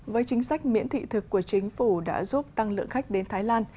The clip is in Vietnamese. với chính sách miễn thị thực của chính phủ đã giúp tăng lượng khách đến thái lan